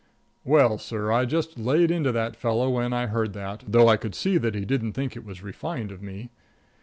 Well, sir, I just laid into that fellow when I heard that, though I could see that he didn't think it was refined of me.